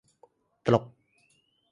ตลก !